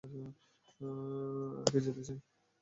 আর কে যেতে চায়?